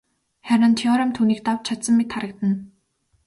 Харин Теорем түүнийг давж чадсан мэт харагдана.